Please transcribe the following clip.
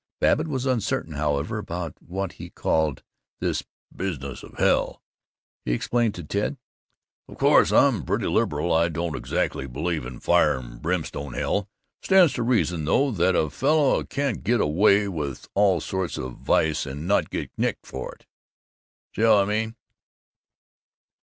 Babbitt was uncertain, however, about what he called "this business of Hell." He explained to Ted, "Of course I'm pretty liberal; I don't exactly believe in a fire and brimstone Hell. Stands to reason, though, that a fellow can't get away with all sorts of Vice and not get nicked for it, see how I mean?"